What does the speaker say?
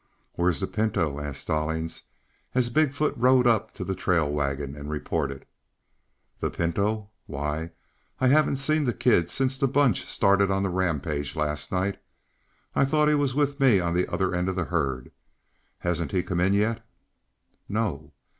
"Where's the Pinto?" asked Stallings as Big foot rode up to the trail wagon and reported. "The Pinto? Why, I haven't seen the kid since the bunch started on the rampage last night. I thought he was with me on the other end of the herd. Hasn't he come in yet?" "No."